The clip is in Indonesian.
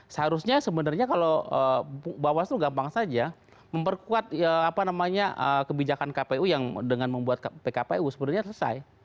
seharusnya sebenarnya kalau bawaslu gampang saja memperkuat kebijakan kpu yang dengan membuat pkpu sebenarnya selesai